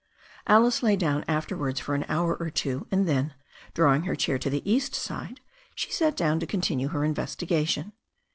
Alice lay down afterwards for an hour or two, and then, drawing her chair to the east side, she sat down to continue her investigation.